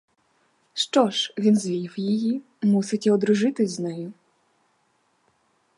Що ж, він звів її, мусить і одружитись з нею.